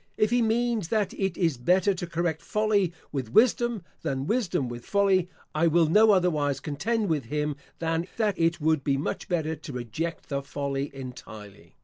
If he means that it is better to correct folly with wisdom, than wisdom with folly, I will no otherwise contend with him, than that it would be much better to reject the folly entirely.